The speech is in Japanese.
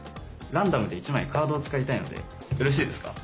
ランダムで１枚カードを使いたいのでよろしいですか？